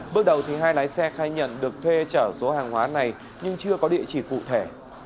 bước đầu thì hai lái xe khai nhận được thuê chở số hàng hóa này nhưng chưa có địa chỉ cụ thể